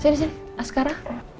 sini sini asgara